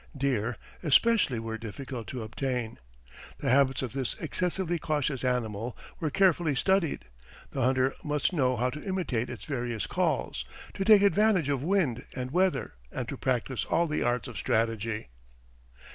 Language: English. Deer, especially, were difficult to obtain. The habits of this excessively cautious animal were carefully studied; the hunter must know how to imitate its various calls, to take advantage of wind and weather, and to practise all the arts of strategy.